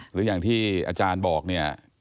หรืออย่างที่อาจารย์บอกเนี่ย